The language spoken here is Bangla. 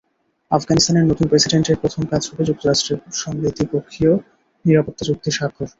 আফগানিস্তানের নতুন প্রেসিডেন্টের প্রথম কাজ হবে যুক্তরাষ্ট্রের সঙ্গে দ্বিপক্ষীয় নিরাপত্তা চুক্তি স্বাক্ষর।